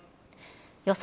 予想